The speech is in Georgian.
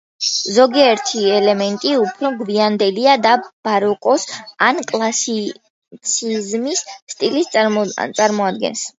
ზოგიერთი ელემენტი უფრო გვიანდელია და ბაროკოს ან კლასიციზმის სტილს წარმოადგენს.